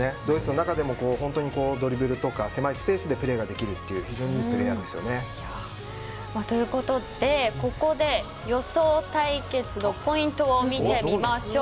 中でもドリブルとか狭いスペースでプレーができる非常にいいプレーヤーですよね。ということで、ここで予想対決のポイントを見てみましょう。